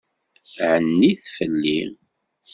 Ɛennit fell-i.